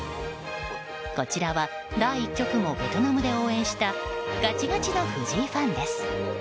こちらは、第１局もベトナムで応援したガチガチの藤井ファンです。